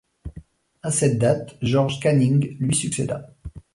À cette date, George Canning lui succéda.